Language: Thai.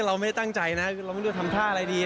เราไม่ได้ตั้งใจนะเราไม่รู้จะทำท่าอะไรดี